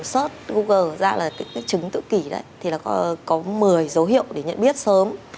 search google ra là cái trứng tự kỷ đấy thì là có một mươi dấu hiệu để nhận biết sớm